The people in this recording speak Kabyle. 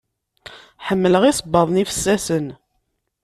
Ḥemmleɣ isebbaḍen ifsasen.